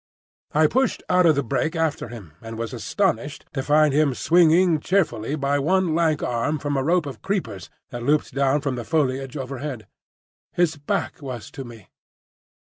I pushed out of the brake after him, and was astonished to find him swinging cheerfully by one lank arm from a rope of creepers that looped down from the foliage overhead. His back was to me.